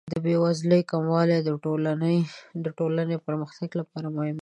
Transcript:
د بې وزلۍ کموالی د ټولنې د پرمختګ لپاره مهم دی.